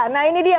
nah ini dia